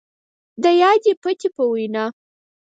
د يادې پتې په وينا،